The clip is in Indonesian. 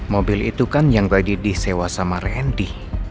mobil itu kan yang tadi disewa sama randy